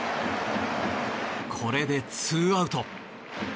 これでツーアウト。